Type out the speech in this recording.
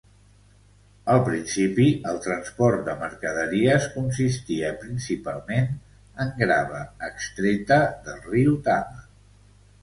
Al principi, el transport de mercaderies consistia principalment en grava extreta del riu Tama.